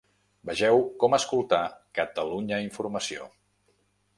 Vegeu Com escoltar Catalunya Informació.